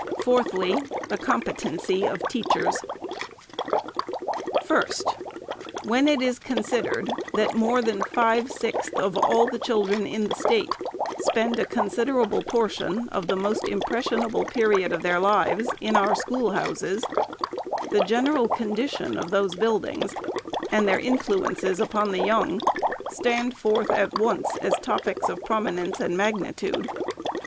Fourthly, the competency of teachers. First. When it is considered, that more than five sixths 390 THE SECRETARY'S of all the children in the State spend a considerable por tion of the most impressible period of their lives in our schoolhouses, the general condition of those buildings, and their influences upon the young, stand forth, at once, as topics of prominence and magnitude.